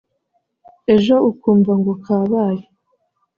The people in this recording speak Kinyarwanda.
ejo ukumva ngo kabaye